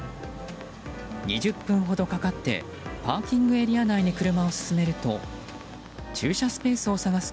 ２０分ほどかかってパーキングエリア内に車を進めると駐車スペースを探す